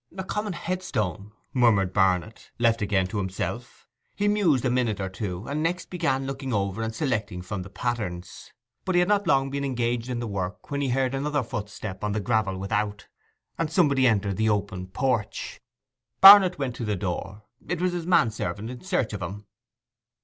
'A common headstone,' murmured Barnet, left again to himself. He mused a minute or two, and next began looking over and selecting from the patterns; but had not long been engaged in the work when he heard another footstep on the gravel without, and somebody enter the open porch. Barnet went to the door—it was his manservant in search of him.